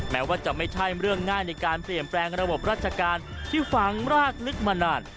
แม้ว่าจะไม่ใช่เรื่องง่ายในการเปลี่ยนแปลงระบบราชการที่ฝังรากลึกมานาน